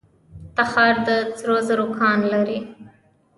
تخار د سرو زرو کان لري